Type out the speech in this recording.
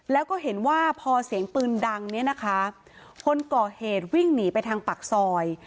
แล้วก็เห็นว่าพอเสียงปืนดังเนี่ยนะคะคนก่อเหตุวิ่งหนีไปทางปากซอย